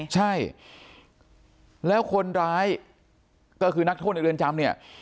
ใช่แล้วคนร้ายก็คือนักโทษในเรือนจำเนี่ย